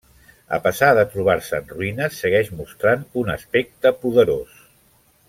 A pesar de trobar-se en ruïnes segueix mostrant un aspecte poderós.